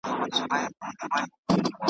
چي زر چیغي وي یو ستونی زر لاسونه یو لستوڼی .